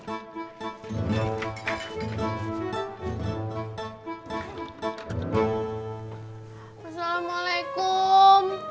assalamualaikum ibu assalamualaikum